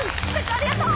ありがとう！